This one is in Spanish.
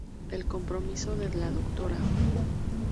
El compromiso de la Dra.